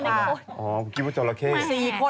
ไม่ใช่ค่ะ